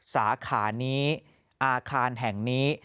สาขานี้อาคารแห่งนี้